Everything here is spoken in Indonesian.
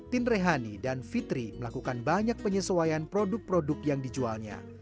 tindrehani dan fitri melakukan banyak penyesuaian produk produk yang dijualnya